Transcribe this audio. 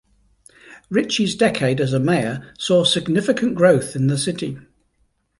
Ritchie's decade as mayor saw significant growth in the city.